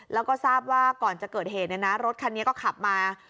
แล้วก็ทราบว่าก่อนจะเกิดเหตุรถคันนี้ก็ขับมา